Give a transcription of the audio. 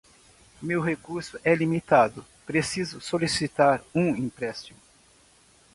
Meu recurso é limitado, preciso solicitar um empréstimo